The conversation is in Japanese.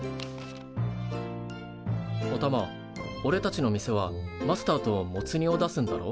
おたまおれたちの店はマスターとモツ煮を出すんだろ？